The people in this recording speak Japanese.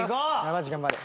マジ頑張れ。